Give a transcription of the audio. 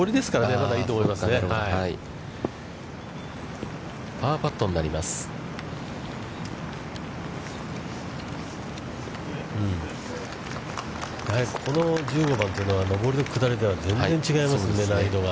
やはりこの１５番というのは、上りと下りでは全然違いますんで、難易度が。